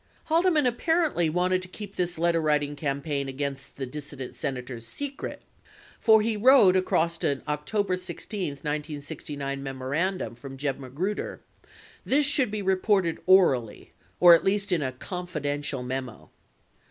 36 Haldeman apparently wanted to keep this letterwriting campaign against the dissident Senators secret, for he wrote across an October 16, 1969 memorandum from Jeb Magruder, "This should be reported orally — or at least in a confidential memo."